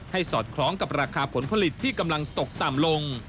สอดคล้องกับราคาผลผลิตที่กำลังตกต่ำลง